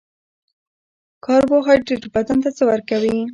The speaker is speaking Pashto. کاربوهایدریت بدن ته څه ورکوي